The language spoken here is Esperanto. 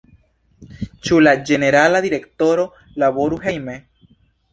Ĉu la Ĝenerala Direktoro laboru hejme?